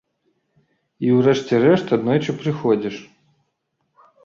І, у рэшце рэшт, аднойчы прыходзіш.